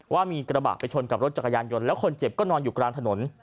ว่ามีกระบะไปชนกับรถจักรยานยนต์แล้วคนเจ็บก็นอนอยู่กลางถนน